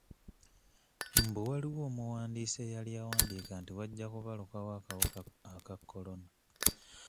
Mbu waliwo omuwandiisi eyali yawandiika nti wajja kubalukawo akawuka aka Corona.